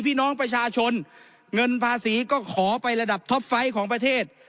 พี่น้องประชาชนเงินภาษีก็ขอไประดับท็อปไฟต์ของประเทศ